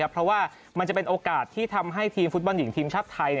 เพราะว่ามันจะเป็นโอกาสที่ทำให้ทีมฟุตบอลหญิงทีมชาติไทย